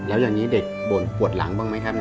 แล้วอย่างนี้เด็กปวดหลังบ้างไหมครับ